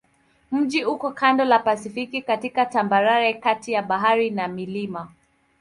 Mji uko kando la Pasifiki katika tambarare kati ya bahari na milima.